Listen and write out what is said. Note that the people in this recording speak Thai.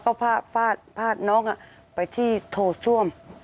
เขาก็พาดน้องไปที่โทษช่วม